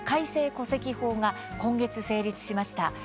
戸籍法が今月、成立しました。